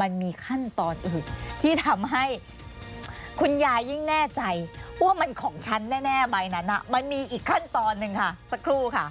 มันมีขั้นตอนอีกที่ทำให้คุณยายยิ่งแน่ใจว่ามันของฉันแน่ใบนั้นมันมีอีกขั้นตอนหนึ่งค่ะสักครู่ค่ะ